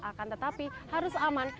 akan tetapi harus aman